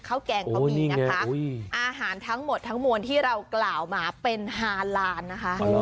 แกงเขามีนะคะอาหารทั้งหมดทั้งมวลที่เรากล่าวมาเป็นฮาลานนะคะ